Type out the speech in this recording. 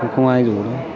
không ai rủ đâu